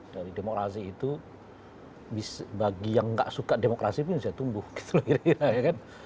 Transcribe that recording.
dari demokrasi itu bagi yang gak suka demokrasi pun bisa tumbuh gitu loh kira kira ya kan